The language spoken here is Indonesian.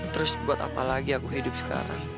terus buat apa lagi aku hidup sekarang